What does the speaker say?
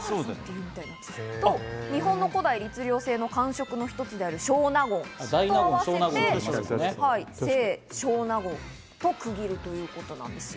日本の古代律令制の官職の一つである少納言を合わせて清／少納言と区切るということなんです。